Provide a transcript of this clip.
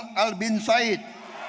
saudara gamal albin said